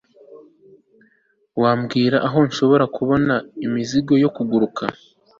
wambwira aho nshobora kubona imizigo yo kuguruka